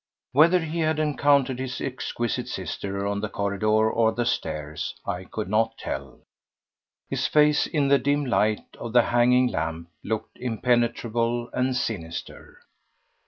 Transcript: Whether he had encountered his exquisite sister on the corridor or the stairs, I could not tell; his face, in the dim light of the hanging lamp, looked impenetrable and sinister.